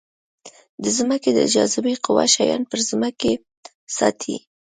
د ځمکې د جاذبې قوه شیان پر ځمکې ساتي.